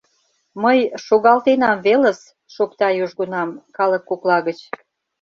Мый шогалтенам велыс, — шокта южгунам, калык кокла гыч.